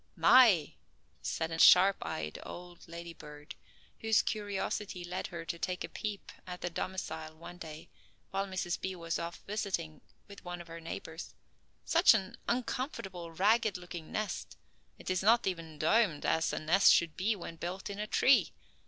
"My!" said a sharp eyed old lady bird, whose curiosity led her to take a peep at the domicile one day while Mrs. B. was off visiting with one of her neighbors, "such an uncomfortable, ragged looking nest; it is not even domed as a nest should be when built in a tree.